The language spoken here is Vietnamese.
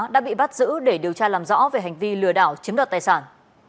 đã bị bắt giữ để điều tra làm rõ về hành vi lừa đảo chiếm đoạt tài sản